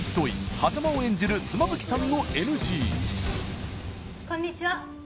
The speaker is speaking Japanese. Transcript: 波佐間を演じる妻夫木さんのＮＧこんにちは